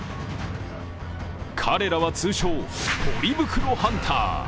彼らは通称、ポリ袋ハンター。